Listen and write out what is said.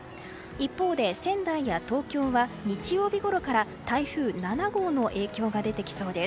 一方仙台や東京は日曜日ごろから台風７号の影響が出てきそうです。